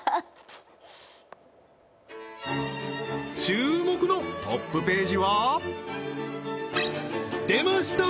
注目のトップページは出ました！